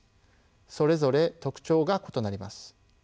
それぞれ特徴が異なります。